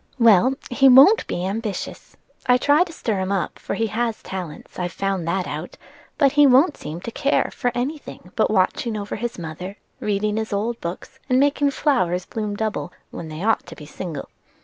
"Well, he won't be ambitious. I try to stir him up, for he has talents; I've found that out: but he won't seem to care for any thing but watching over his mother, reading his old books, and making flowers bloom double when they ought to be single."